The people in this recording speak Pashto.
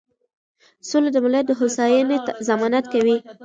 سوله د ملت د هوساینې ضمانت کوي.